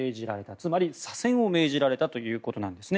つまり、左遷を命じられたということなんですね。